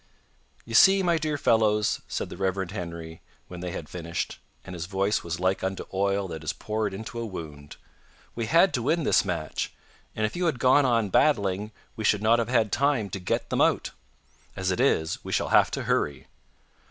"You see, my dear fellows," said the Rev. Henry when they had finished and his voice was like unto oil that is poured into a wound "we had to win this match, and if you had gone on batting we should not have had time to get them out. As it is, we shall have to hurry."